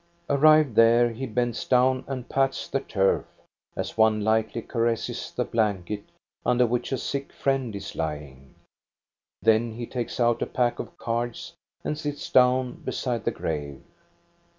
Arrived there, he bends down and pats the turf, as one lightly caresses the blanket under which a sick friend is lying. Then he takes out a pack of cards and sits down beside the grave.